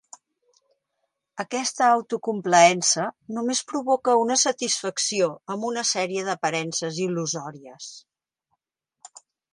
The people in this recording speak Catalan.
Aquesta autocomplaença només provoca una satisfacció amb una sèrie d'aparences il·lusòries.